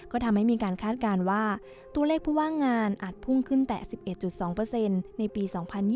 ก็ทำให้มีการคาดการณ์ว่าตัวเลขผู้ว่างงานอาจพุ่งขึ้นแต่๑๑๒ในปี๒๐๒๐